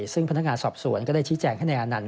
ซึ่งพนักงานสอบสวนก็ได้ชี้แจงให้นายอนันต